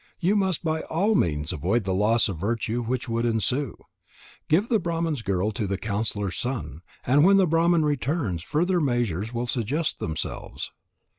You must by all means avoid the loss of virtue which would ensue. Give the Brahman's girl to the counsellor's son. And when the Brahman returns, further measures will suggest themselves."